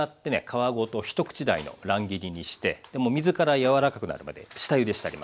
皮ごと一口大の乱切りにしてもう水から柔らかくなるまで下ゆでしてあります。